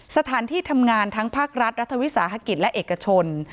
สถานที่ทำงานทั้งภาครัฐรัฐวิสาหกิจและเอกชน